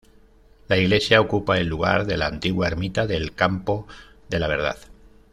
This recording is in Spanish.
La Iglesia ocupa el lugar de la antigua ermita del Campo de la Verdad.